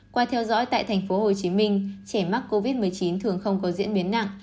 qua theo dõi tại thành phố hồ chí minh trẻ mắc covid một mươi chín thường không có diễn biến nặng